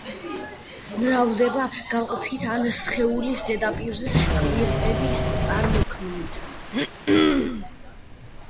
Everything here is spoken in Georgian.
მრავლდება გაყოფით ან სხეულის ზედაპირზე კვირტების წარმოქმნით.